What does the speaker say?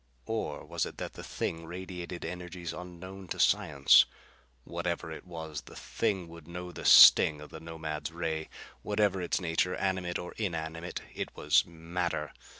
Or was it that the thing radiated energies unknown to science? Whatever it was, the thing would know the sting of the Nomad's ray. Whatever its nature, animate or inanimate, it was matter.